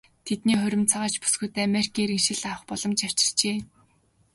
Тэдний хурим цагаач бүсгүйд Америкийн иргэншил авах боломж авчирчээ.